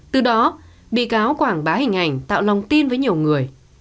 từ đó bị cáo quảng bá hình ảnh tạo lòng tin với nhiều người